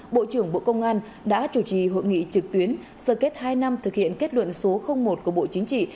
bộ trưởng bộ công an đã chủ trì hội nghị trực tuyến sơ kết hai năm thực hiện kết luận số một của bộ chính trị